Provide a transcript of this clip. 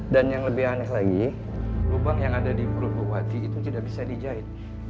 dan yang lebih aneh lagi lubang yang ada di perut ibu wati itu tidak bisa dijahit